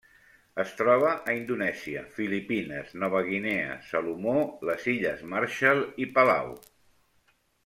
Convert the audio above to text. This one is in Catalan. Es troba a Indonèsia, Filipines, Nova Guinea, Salomó, les Illes Marshall i Palau.